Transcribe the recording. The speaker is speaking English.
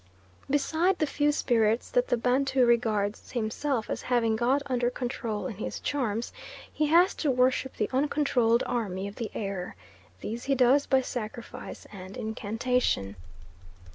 Beside the few spirits that the Bantu regards himself as having got under control in his charms, he has to worship the uncontrolled army of the air. This he does by sacrifice and incantation.